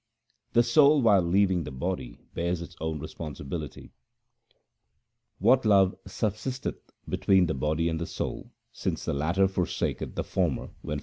The soul while leaving the body bears its own responsibility :— What love subsisteth between the body and the soul since the latter forsaketh the former when fallen